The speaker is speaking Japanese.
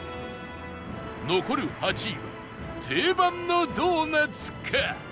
残る８位は定番のドーナツか？